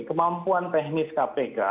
kemampuan teknis kpk